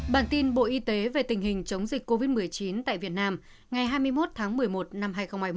bản tin bộ y tế về tình hình chống dịch covid một mươi chín tại việt nam ngày hai mươi một tháng một mươi một năm hai nghìn hai mươi